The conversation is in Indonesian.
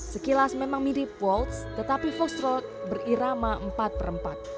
sekilas memang mirip waltz tetapi fostrold berirama empat per empat